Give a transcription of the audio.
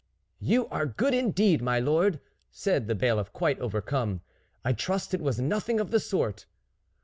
" You are good indeed, my lord," said the Bailiff quite overcome. " I trust it was nothing of the sort."